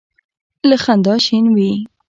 له خندا شین وي.